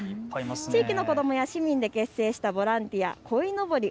地域の子どもや市民で結成したボランティア、こいのぼり